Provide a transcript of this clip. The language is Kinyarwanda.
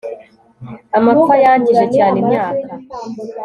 Amapfa yangije cyane imyaka